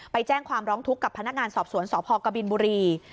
ไปแจ้งความร้องทุกข์กับพนักงานสอบสวนสพกบินบุรี